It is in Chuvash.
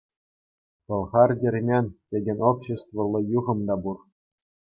«Пӑлхартермен» текен обществӑлла юхӑм та пур.